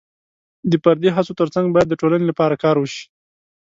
د فردي هڅو ترڅنګ باید د ټولنې لپاره کار وشي.